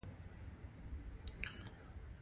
بېاخلاقه ټولنه دوام نهشي کولی.